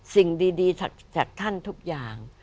สิ่งดีจากท่านทุกอย่าง